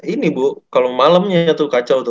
ini bu kalo malemnya tuh kacau tuh